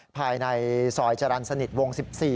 ภายในซอยจรรย์สนิทวง๑๔